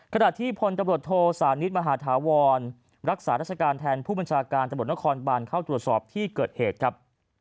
ขณะที่พลตบริโธโศนิสมหาฐาวรรักษาราชการแทนผู้บัญชาการตะบดนครบันเข้าจุดสอบที่เกิดเหตุครับ